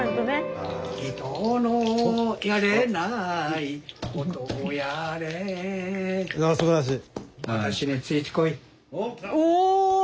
いやすばらしい。